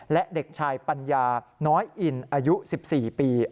และเด็กชายปัญญาน้อยอินอายุ๑๔ปี